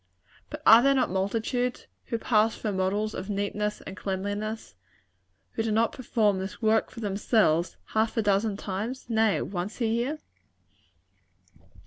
But are there not multitudes who pass for models of neatness and cleanliness, who do not perform this work for themselves half a dozen times nay, once a year?